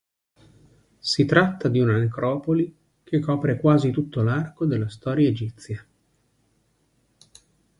Si tratta di una necropoli che copre quasi tutto l'arco della storia egizia.